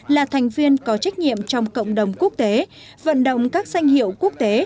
là thành viên có trách nhiệm trong cộng đồng quốc tế vận động các danh hiệu quốc tế